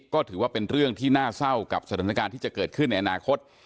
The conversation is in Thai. ก็ถือว่าเป็นเรื่องที่น่าเศร้ากับสถานการณ์ที่จะเกิดขึ้นในอนาคต